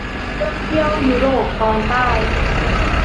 เพื่อเที่ยวยุโรปตอนใต้